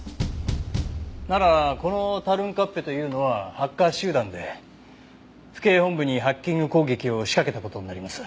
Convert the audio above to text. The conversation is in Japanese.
ならこのタルンカッペというのはハッカー集団で府警本部にハッキング攻撃を仕掛けた事になります。